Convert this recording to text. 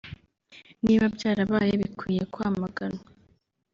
“Niba byarabaye bikwiye kwamaganwa”